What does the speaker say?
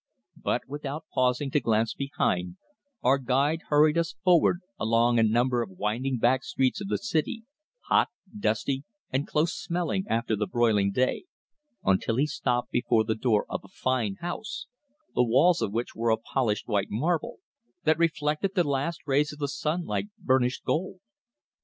But without pausing to glance behind, our guide hurried us forward along a number of winding back streets of the city, hot, dusty and close smelling after the broiling day, until he stopped before the door of a fine house, the walls of which were of polished white marble, that reflected the last rays of the sun like burnished gold.